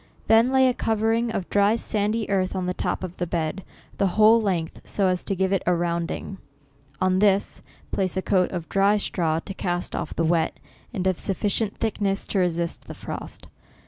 Then laj a covering of dry sandy earth on the top of the bed, the whole length, so as to give it a rounding. On this, place a coat of dry straw, to cast off the wet, and of a sufficient thickness to resist the frost.